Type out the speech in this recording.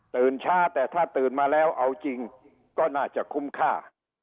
ช้าแต่ถ้าตื่นมาแล้วเอาจริงก็น่าจะคุ้มค่า